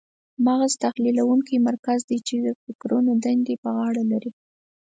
مغز تحلیلونکی مرکز دی چې د فکرونو دندې په غاړه لري.